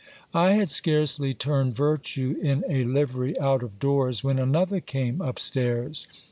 I had scarcely turned virtue in a livery out of doors, when another came up stairs.